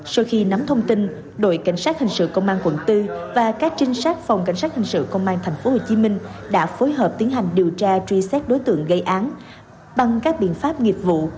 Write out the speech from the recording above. sau khi nắm thông tin đội cảnh sát hình sự công an quận bốn và các trinh sát phòng cảnh sát hình sự công an tp hcm đã phối hợp tiến hành điều tra truy xét đối tượng gây án bằng các biện pháp nghiệp vụ